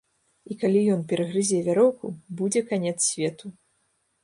І, калі ён перагрызе вяроўку, будзе канец свету.